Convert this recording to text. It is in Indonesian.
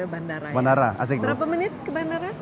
bandara ya bandara asik berapa menit ke bandara